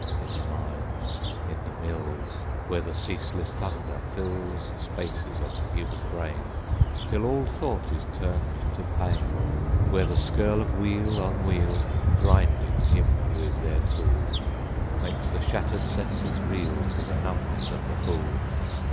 In the mines; in the mills Where the ceaseless thunder fills Spaces of the human brain Till all thought is turned to pain. Where the skirl of wheel on wheel, Grinding him who is their tool, Makes the shattered senses reel To the numbness of the fool.